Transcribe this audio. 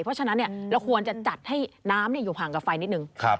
เพราะฉะนั้นเราควรจะจัดให้น้ำอยู่ห่างกับไฟนิดนึง